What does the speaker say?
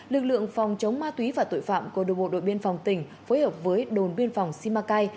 lực lượng phòng chống ma túy và tội phạm của đội bộ đội biên phòng tỉnh phối hợp với đồn biên phòng simacai